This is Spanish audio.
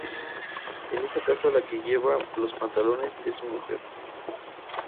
En esa casa la que lleva los pantalones es su mujer